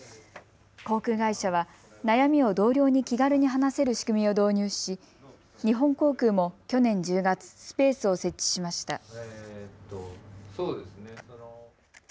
航空会社は、悩みを同僚に気軽に話せる仕組みを導入し、日本航空も去年１０月、スペースを設置しました。